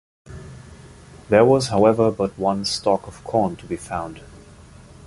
There was however but one stalk of corn to be found.